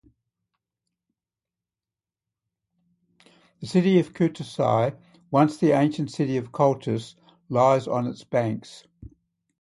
The city of Kutaisi, once the ancient city of Colchis, lies on its banks.